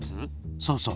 そうそう。